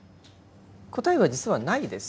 答えは実はないです。